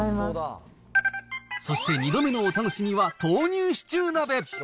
そして２度目のお楽しみは、豆乳シチュー鍋。